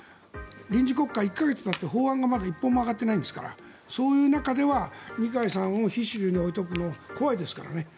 臨時国会、１か月たって法案がまだ１本も上がっていないんですからそういう中では二階さんを非主流に置いておくのは怖いですからね。